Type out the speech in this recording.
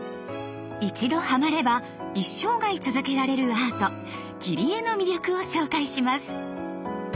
一度ハマれば一生涯続けられるアート「切り絵」の魅力を紹介します。